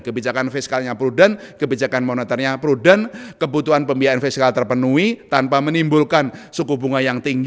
kebijakan fiskalnya prudent kebijakan moneternya prudent kebutuhan pembiayaan fiskal terpenuhi tanpa menimbulkan suku bunga yang tinggi